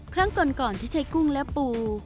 ครั้งก่อนที่ใช้กุ้งและปู